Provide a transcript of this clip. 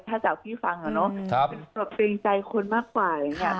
ถ้าเจ้าพี่ฟังเดินใจคนกว่า